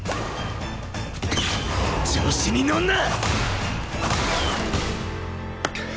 調子にのんな！